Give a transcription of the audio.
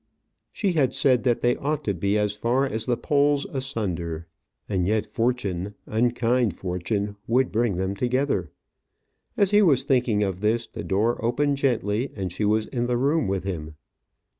She had said that they ought to be as far as the poles asunder; and yet fortune, unkind fortune, would bring them together! As he was thinking of this, the door opened gently, and she was in the room with him.